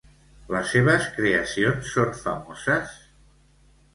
Les seves creacions són famoses?